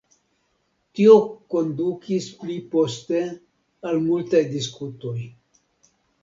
Tio kondukis pli poste al multaj diskutoj.